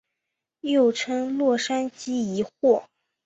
又称洛杉矶疑惑。